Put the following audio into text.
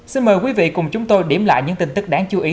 xin mời quý vị cùng chúng tôi điểm lại những tin tức đáng chú ý